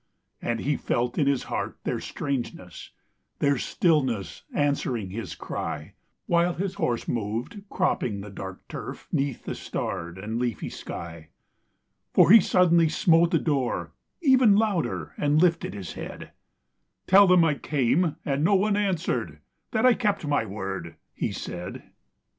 And he felt in his heart their strangeness, Their stillness answering his cry, While his horse moved, cropping the dark turf, 'Neath the starred and leafy sky; For he suddenly smote the door, even Louder, and lifted his head: "Tell them I came, and no one answered, That I kept my word," he said.